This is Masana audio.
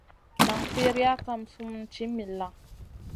Nan firiya kam sumun ci milla.